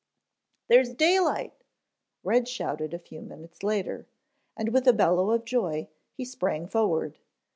"There's daylight," Red shouted a few minutes later, and with a bellow of joy, he sprang forward.